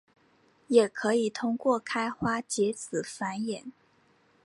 也可以通过开花结籽繁衍。